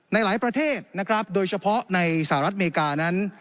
หลายประเทศนะครับโดยเฉพาะในสหรัฐอเมริกานั้น